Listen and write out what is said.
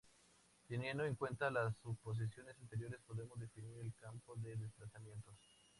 Teniendo en cuenta las suposiciones anteriores podemos definir el campo de desplazamientos.